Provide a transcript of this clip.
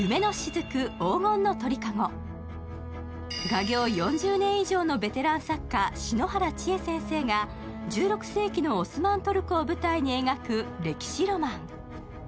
画業４０年以上のベテラン作家、篠原千絵先生が１６世紀のオスマントルコを舞台に描く歴史ロマン。